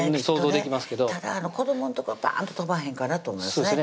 きっとねただ子どものとこパーンと飛ばへんかなと思いますね